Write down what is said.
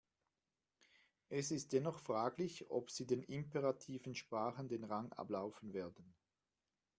Es ist dennoch fraglich, ob sie den imperativen Sprachen den Rang ablaufen werden.